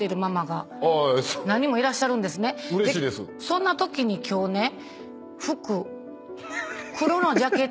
そんなときに今日ね服。